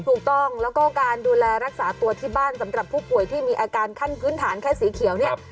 ถูกต้องแล้วก็การดูแลรักษาตัวที่บ้านสำหรับผู้ป่วยที่มีอาการขั้นพื้นฐานแค่สีเขียวเนี่ย